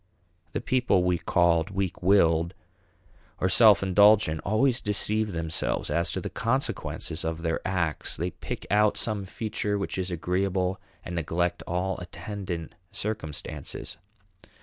The people we called weak willed or self indulgent always deceive themselves as to the consequences of their acts. They pick out some feature which is agreeable and neglect all attendant circumstances.